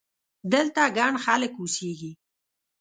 دلته ګڼ خلک اوسېږي!